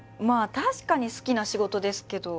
確かに好きな仕事ですけど。